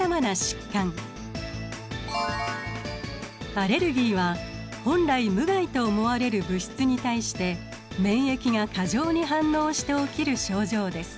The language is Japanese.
アレルギーは本来無害と思われる物質に対して免疫が過剰に反応して起きる症状です。